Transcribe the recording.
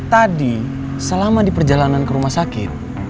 tadi selama di perjalanan ke rumah sakit